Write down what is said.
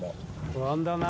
不安だな